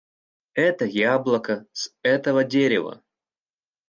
Это яблоко с этого дерева!